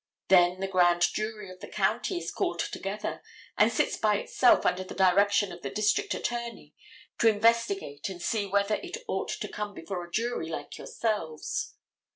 Then the grand jury of the county is called together and sits by itself under the direction of the district attorney, to investigate and see whether it ought to come before a jury like yourselves.